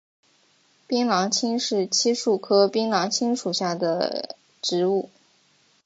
槟榔青是漆树科槟榔青属的植物。